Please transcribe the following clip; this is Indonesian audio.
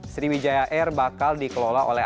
sriwijaya air bakal dikelola oleh